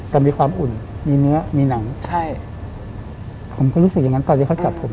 แต่มีความอุ่นมีเนื้อมีหนังใช่ผมก็รู้สึกอย่างนั้นตอนที่เขาจับผม